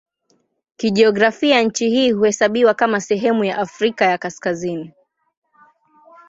Kijiografia nchi hii huhesabiwa kama sehemu ya Afrika ya Kaskazini.